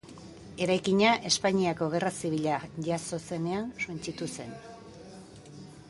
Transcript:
Eraikina Espainiako Gerra Zibila jazo zenean suntsitu zen.